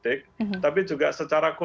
dan sakitnya bukan secara kring